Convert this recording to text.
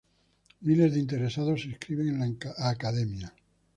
Miles de interesados se inscriben en la academia.